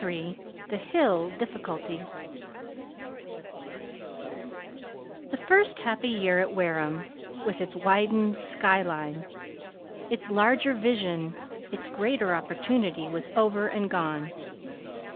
XXIII THE HILL DIFFICULTY The first happy year at Wareham, with its widened sky line, its larger vision, its greater opportunity, was over and gone.